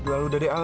aduh udah de al